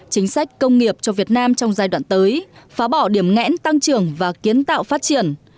chính sách công nghiệp cho việt nam trong giai đoạn tới phá bỏ điểm ngẽn tăng trưởng và kiến tạo phát triển